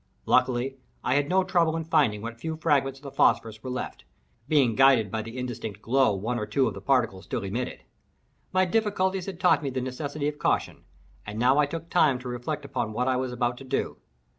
Luckily, I had no trouble in finding what few fragments of the phosphorus were left—being guided by the indistinct glow one or two of the particles still emitted. My difficulties had taught me the necessity of caution, and I now took time to reflect upon what I was about to do.